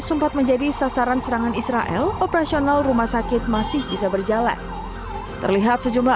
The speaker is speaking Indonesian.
sempat menjadi sasaran serangan israel operasional rumah sakit masih bisa berjalan terlihat sejumlah